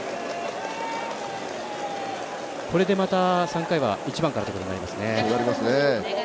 これでまた３回は１番からということになりますね。